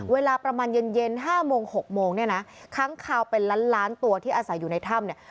เวลาประมาณเย็น๕โมง๖โมงเนี่ยนะค้างคาวเป็นล้านล้านตัวที่อาศัยอยู่ในถ้ำเนี่ย